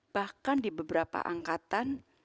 bahkan di beberapa angkatan